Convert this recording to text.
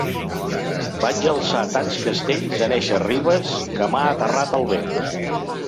Vaig alçar tants castells en eixes ribes que m’ha aterrat el vent.